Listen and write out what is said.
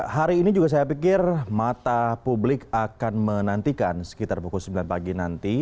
hari ini juga saya pikir mata publik akan menantikan sekitar pukul sembilan pagi nanti